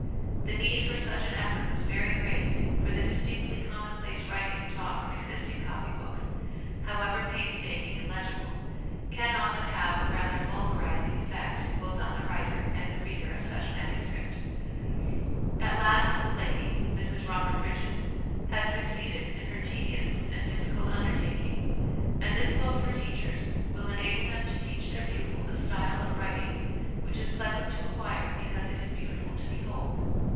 The need for such an effort was very great, for the distinctly commonplace writing taught from existing copy books, however painstaking and legible, cannot but have a rather vulgarising effect both on the writer and the reader of such manuscript. At 236 HOME EDUCATION last the lady, Mrs Robert Bridges, has succeeded in her tedious and difficult undertaking, and this book for teachers will enable them to teach their pupils a style of writing which is pleasant to acquire because it is beautiful to behold.